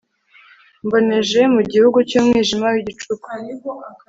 mboneje mu gihugu cy'umwijima w'igicuku